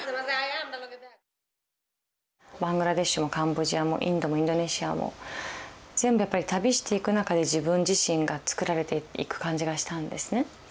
バングラデシュもカンボジアもインドもインドネシアも全部やっぱり旅していく中で自分自身がつくられていく感じがしたんですね。